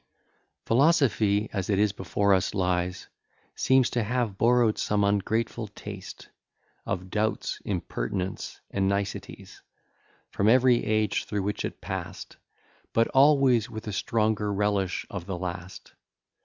IX Philosophy, as it before us lies, Seems to have borrow'd some ungrateful taste Of doubts, impertinence, and niceties, From every age through which it pass'd, But always with a stronger relish of the last.